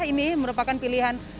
ini merupakan pilihan